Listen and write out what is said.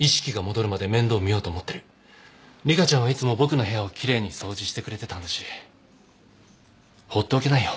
理香ちゃんはいつも僕の部屋をきれいに掃除してくれてたんだし放っておけないよ